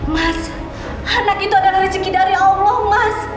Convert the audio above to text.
mas anak itu adalah rezeki dari allah mas